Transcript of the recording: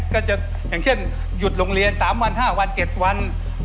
ก็จะอย่างเช่นหยุดโรงเรียน๓วัน๕วัน๗วัน